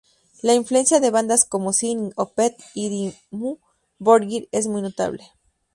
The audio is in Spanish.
La influencia de bandas como Cynic, Opeth y Dimmu Borgir es muy notable.